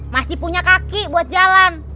masih punya kaki buat jalan